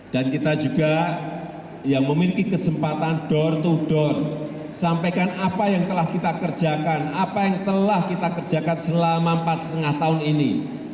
dan kita juga yang memiliki kesempatan door to door sampaikan apa yang telah kita kerjakan apa yang telah kita kerjakan selama empat lima tahun ini